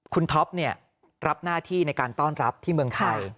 คุณท็อปรับหน้าที่ในการต้อนรับที่เมืองไทย